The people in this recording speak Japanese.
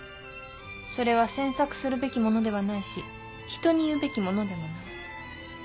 それは詮索するべきものではないし人に言うべきものでもない。